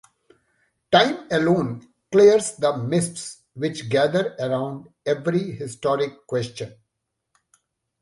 Time alone clears the mists which gather around every historic question.